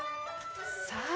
さあ。